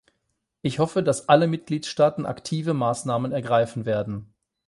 Ich hoffe, dass alle Mitgliedstaaten aktive Maßnahmen ergreifen werden.